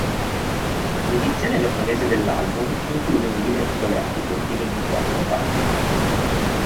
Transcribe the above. L'edizione giapponese dell'album include un libro fotografico di ventiquattro pagine.